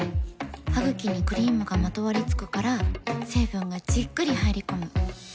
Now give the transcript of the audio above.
ハグキにクリームがまとわりつくから成分がじっくり入り込む。